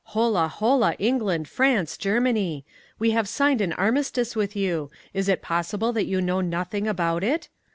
Hola, hola, England, France, Germany! We have signed an armistice with you! Is it possible that you know nothing about it?